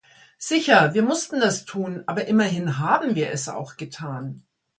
Sicher, wir mussten das tun, aber immerhin haben wir es auch getan.